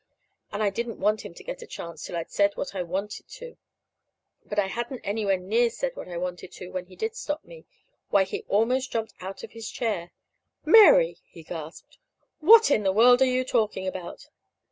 And I didn't want him to get a chance till I'd said what I wanted to. But I hadn't anywhere near said what I wanted to when he did stop me. Why, he almost jumped out of his chair. "Mary!" he gasped. "What in the world are you talking about?"